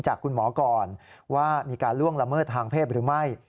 จากคุณหมอก่อนว่ามีการล่วงละเมิดทางเพศหรือไม่